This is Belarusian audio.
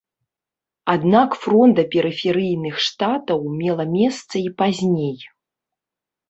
Аднак фронда перыферыйных штатаў мела месца і пазней.